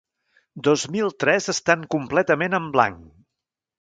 Dos mil tres estan completament en blanc.